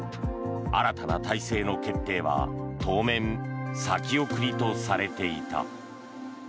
新たな体制の決定は当面先送りとされていた。